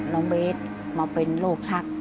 น้องเบสมาเป็นโรคชัก